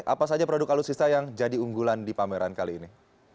apa saja produk alutsista yang jadi unggulan di pameran kali ini